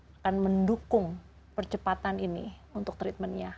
akan mendukung percepatan ini untuk treatmentnya